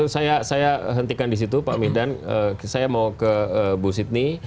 saya hentikan disitu pak amir dan saya mau ke bu sidni